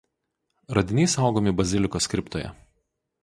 Radiniai saugomi bazilikos kriptoje.